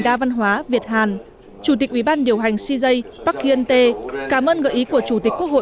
đa văn hóa việt hàn chủ tịch ủy ban điều hành cj park hunte cảm ơn gợi ý của chủ tịch quốc hội